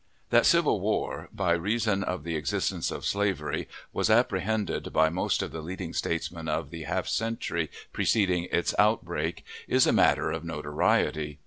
That civil war, by reason of the existence of slavery, was apprehended by most of the leading statesmen of the half century preceding its outbreak, is a matter of notoriety.